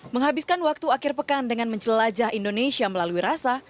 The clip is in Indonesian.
menghabiskan waktu akhir pekan dengan menjelajah indonesia melalui rasa